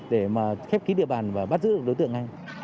để mà khép kín địa bàn và bắt giữ được đối tượng ngay